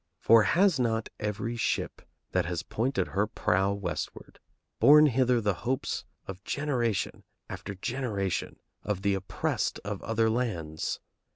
For has not every ship that has pointed her prow westward borne hither the hopes of generation after generation of the oppressed of other lands?